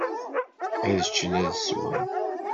Ad ččen, ad swen.